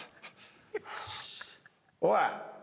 おい！